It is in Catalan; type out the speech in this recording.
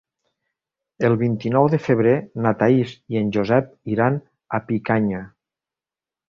El vint-i-nou de febrer na Thaís i en Josep iran a Picanya.